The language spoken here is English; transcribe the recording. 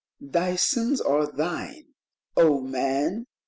Thy sins are thine, O man